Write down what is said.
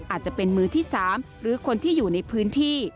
อาจจะเป็นมือที่๓หรือคนที่อยู่ในพื้นที่